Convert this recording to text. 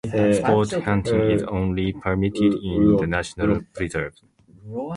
Sport hunting is only permitted in the national preserve.